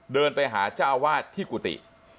เดินไปหาเจ้าวาดที่กุฏิ